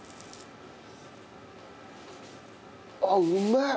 あっうめえ！